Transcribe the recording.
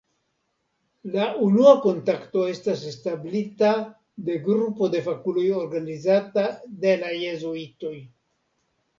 La unua kontakto estas establita de grupo da fakuloj organizata de la Jezuitoj.